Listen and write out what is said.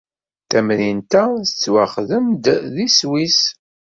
Tamrint-a tettwaxdem-d deg Sswis.